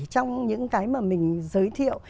trong những cái mà mình giới thiệu